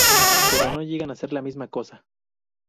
Pero no llegan a ser la misma cosa.